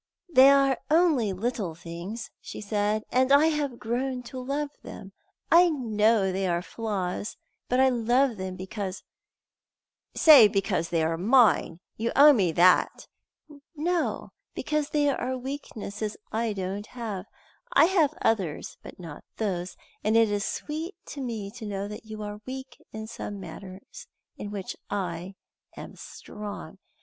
"They are only little things," she said, "and I have grown to love them. I know they are flaws; but I love them because " "Say because they are mine. You owe me that." "No; but because they are weaknesses I don't have. I have others, but not those, and it is sweet to me to know that you are weak in some matters in which I am strong.